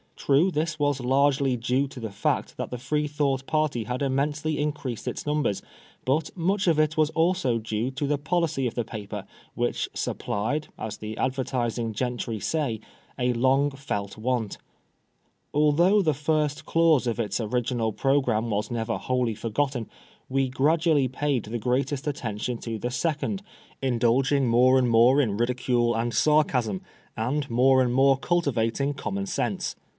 True, this was largely due to the fact that the Freethought party had immensely increased in numbers ; but much of it was also due to the policy of the paper, which supplied, as the advertising gentry say, "a long felt want." Although the first clause of its original pro gramme was never wholly forgotten, we gradually paid the greatest attention to the second, indulging more 18 FBISONEB FOB BLASPHEMY. and more in Ridicule and Sarcasm, and more and more cultivating Common Sense.